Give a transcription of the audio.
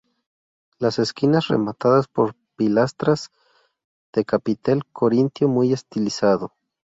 Las esquinas rematadas por pilastras de capitel corintio muy estilizado.